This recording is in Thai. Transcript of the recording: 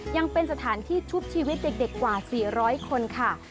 ยังเป็นสถานที่ชุบชีวิตเด็กกว่า๔๐๐คนค่ะ